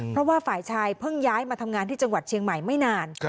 เพราะว่าฝ่ายชายเพิ่งย้ายมาทำงานที่จังหวัดเชียงใหม่ไม่นาน